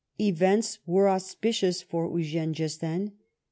Events were auspicious for Eugene just then.